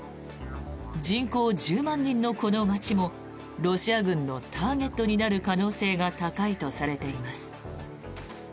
人口１０万人のこの街もロシア軍のターゲットになる可能性が高いとされています。